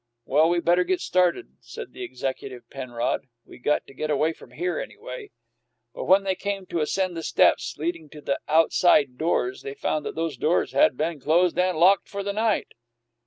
"Well, we better get started," said the executive Penrod. "We got to get away from here, anyway." But when they came to ascend the steps leading to the "outside doors," they found that those doors had been closed and locked for the night.